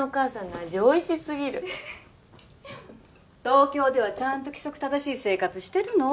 東京ではちゃんと規則正しい生活してるの？